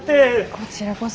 こちらこそ。